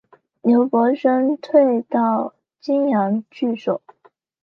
刘伯升退到棘阳据守。